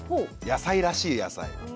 野菜らしい野菜。